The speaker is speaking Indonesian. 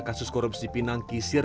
kasus korupsi pinangkisir